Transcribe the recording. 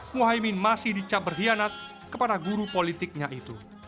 muhaymin masih dicap berkhianat kepada guru politiknya itu